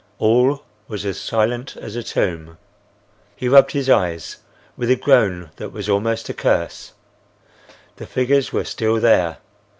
All was as silent as a tomb. He rubbed his eyes, with a groan that was almost a curse. The figures were still there.